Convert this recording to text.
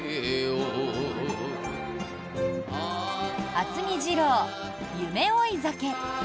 渥美二郎、「夢追い酒」。